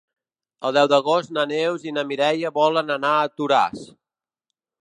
El deu d'agost na Neus i na Mireia volen anar a Toràs.